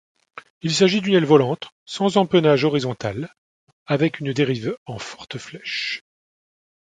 Il s'agit d'une aile volante sans empennage horizontal, avec une dérive en forte flèche.